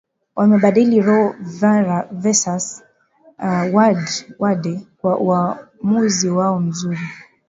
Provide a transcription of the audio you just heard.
wamebadili Roe Versus Wade kwa uwamuzi wao mzuri